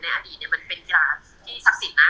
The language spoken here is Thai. ในอดีตเนี่ยเป็นกีฬาศักดิ์ศักดิ์ศิลป์นะ